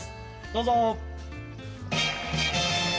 どうぞ。